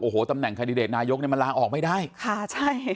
โอ้โหตำแหน่งคันดิเดตนายกเนี่ยมันลาออกไม่ได้ค่ะใช่